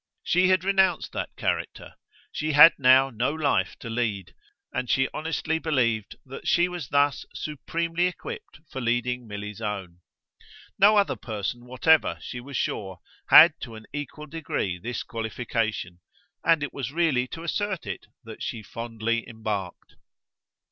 She had renounced that character; she had now no life to lead; and she honestly believed that she was thus supremely equipped for leading Milly's own. No other person whatever, she was sure, had to an equal degree this qualification, and it was really to assert it that she fondly embarked.